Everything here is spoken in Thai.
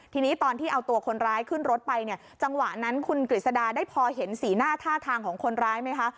ทีนี้ตอนที่เอาตัวคนร้ายขึ้นรถไปเนี่ยจังหวะนั้นคุณกฤษดาได้พอเห็นสีหน้าท่าทางของคนร้ายไหมคะ